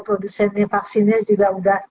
produsennya vaksinnya juga sudah